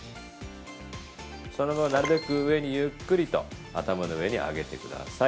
そのまま、なるべく上にゆっくりと頭の上に上げてください。